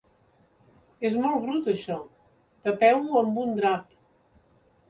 És molt brut això: tapeu-ho amb un drap.